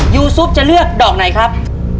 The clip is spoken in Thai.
ยูซุปจะเลือกดอกไหนครับ